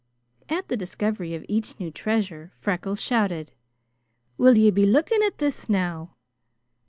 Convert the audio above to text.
At the discovery of each new treasure, Freckles shouted: "Will you be looking at this, now?"